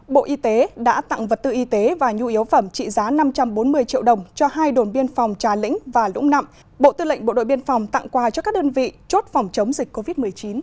bộ y tế đã tặng vật tư y tế và nhu yếu phẩm trị giá năm trăm bốn mươi triệu đồng cho hai đồn biên phòng trà lĩnh và lũng nặng bộ tư lệnh bộ đội biên phòng tặng quà cho các đơn vị chốt phòng chống dịch covid một mươi chín